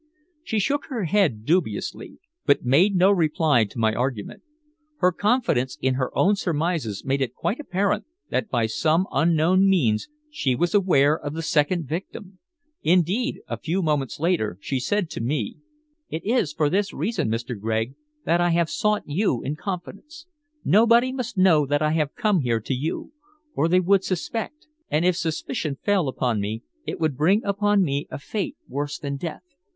She shook her head dubiously, but made no reply to my argument. Her confidence in her own surmises made it quite apparent that by some unknown means she was aware of the second victim. Indeed, a few moments later she said to me: "It is for this reason, Mr. Gregg, that I have sought you in confidence. Nobody must know that I have come here to you, or they would suspect; and if suspicion fell upon me it would bring upon me a fate worse than death.